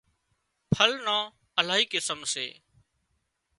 ڦل نان الاهي قسم سي